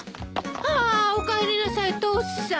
ああおかえりなさい父さん。